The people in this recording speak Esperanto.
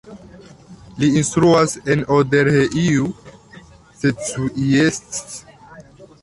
Li instruas en Odorheiu Secuiesc.